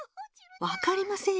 わかりませんよ。